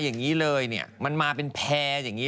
หน้าฝน